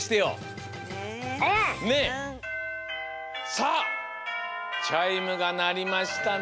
さあチャイムがなりましたね。